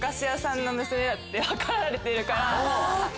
だって分かられてるから。